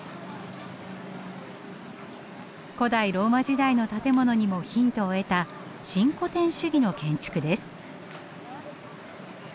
古代ローマ時代の建物にもヒントを得た新古典主義の建築です。